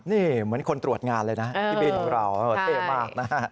นี่เหมือนคนตรวจงานเลยนะพี่บินของเราเท่มากนะฮะ